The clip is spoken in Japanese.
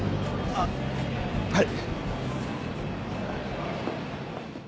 あっはい。